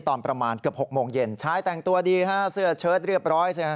ตอนประมาณเกือบ๖โมงเย็นชายแต่งตัวดีฮะเสื้อเชิดเรียบร้อย